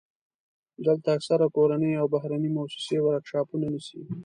دلته اکثره کورنۍ او بهرنۍ موسسې ورکشاپونه نیسي.